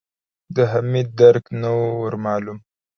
د حميد درک نه و ور مالوم.